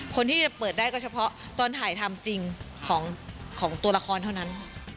คนที่จะเปิดได้ก็เฉพาะตอนถ่ายทำจริงของตัวละครเท่านั้น